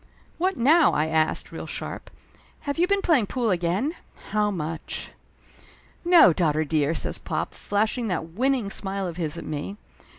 "What now?" I asked, real sharp. "Have you been playing pool again? How much?" "No, daughter dear!" says pop, flashing that win ning smile of his at me.